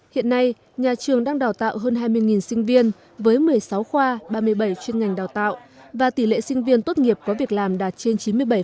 hiện nay nhà trường đang đào tạo hơn hai mươi sinh viên với một mươi sáu khoa ba mươi bảy chuyên ngành đào tạo và tỷ lệ sinh viên tốt nghiệp có việc làm đạt trên chín mươi bảy